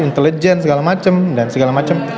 intelijen segala macem dan segala macem